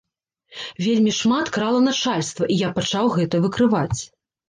Вельмі шмат крала начальства, і я пачаў гэта выкрываць.